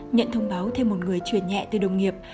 nhận thông báo thêm một người truyền nhẹ từ đồng nghiệp